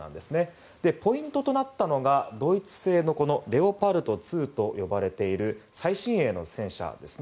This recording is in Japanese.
ポイントとなったのはドイツ製のレオパルト２と呼ばれている最新鋭の戦車です。